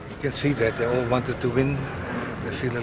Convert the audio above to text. anda bisa lihat bahwa mereka semua ingin menang